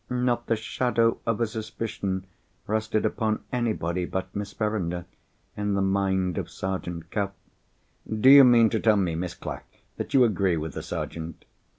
Not the shadow of a suspicion rested upon anybody but Miss Verinder, in the mind of Sergeant Cuff." "Do you mean to tell me, Miss Clack, that you agree with the Sergeant?"